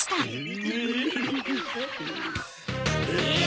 えっ！